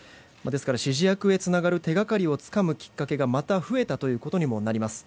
指示役へつながる手がかりをつかむきっかけがまた増えたことになります。